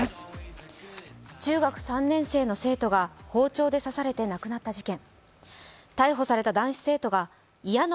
中学３年生の生徒が包丁で刺されて亡くなった事件。